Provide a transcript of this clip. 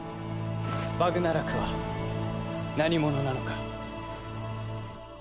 バグナラクは何者なのか。